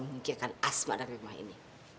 memikirkan asma dari rumah ini